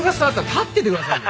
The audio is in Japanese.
立っててくださいよ！